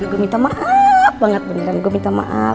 gue minta maaf banget beneran gue minta maaf